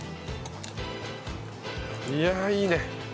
いやあいいね。